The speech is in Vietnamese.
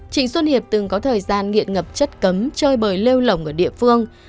trịnh xuân hiệp từng có thời gian nghiện ngập chất cấm chơi bời lêu lỏng ở địa phương